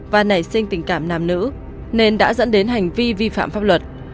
và nảy sinh tình cảm nam nữ nên đã dẫn đến hành vi vi phạm pháp luật